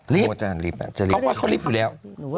ลิฟท์เขาว่าจะลิฟท์อยู่แล้ว